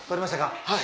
はい。